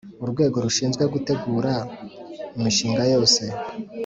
Urwego rushinzwe gutegura imishinga yose